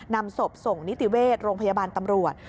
นำศพส่งนิติเวชโรงพยาบาลตำรวจ